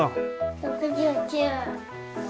６９。